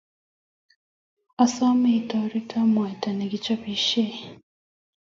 Asome itoreto mwaita ne kichopisie